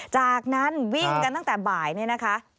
จากนั้นวิ่งกันตั้งแต่บ่ายนี่นะคะ